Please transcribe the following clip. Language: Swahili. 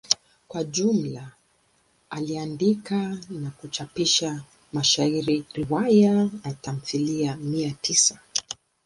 Kwa jumla aliandika na kuchapisha mashairi, riwaya na tamthilia mia tisa.